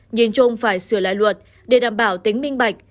nhìn chung phải sửa lại luật để đảm bảo tính minh bạch